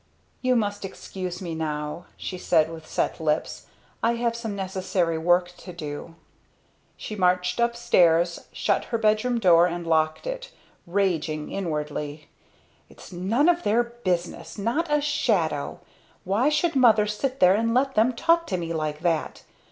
"You must excuse me now," she said with set lips. "I have some necessary work to do." She marched upstairs, shut her bedroom door and locked it, raging inwardly. "Its none of their business! Not a shadow! Why should Mother sit there and let them talk to me like that!